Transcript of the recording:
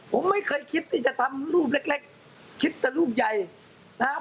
ผมไม่เคยคิดที่จะทำรูปเล็กคิดแต่รูปใหญ่นะครับ